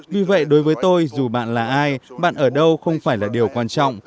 vì vậy đối với tôi dù bạn là ai bạn ở đâu không phải là điều quan trọng